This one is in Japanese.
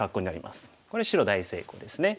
これ白大成功ですね。